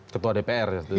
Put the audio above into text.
ketua dpr ya